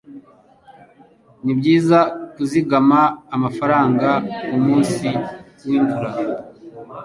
Nibyiza kuzigama amafaranga kumunsi wimvura.